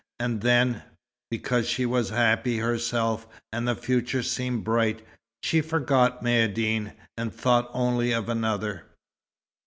And then, because she was happy herself, and the future seemed bright, she forgot Maïeddine, and thought only of another.